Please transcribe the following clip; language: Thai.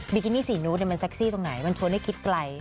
บิกินิสีนูดเนี่ยมันเซ็กซี่ตรงไหนมันชวนให้คิดไกล